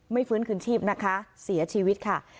ฟื้นคืนชีพนะคะเสียชีวิตค่ะ